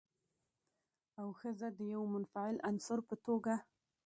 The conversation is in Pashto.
او ښځه د يوه منفعل عنصر په توګه